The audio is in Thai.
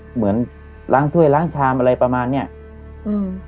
เหมือนล้างถ้วยล้างชามอะไรประมาณเนี้ยอืม